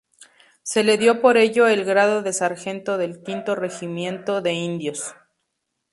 Se le dio por ello el grado de sargento del Quinto Regimiento de Indios.